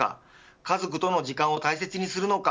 家族との時間を大切にするのか。